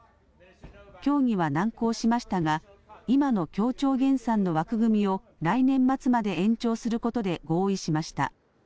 協議は難航しましたが今の協調減産の枠組みを来年末まで延長することで合意しました。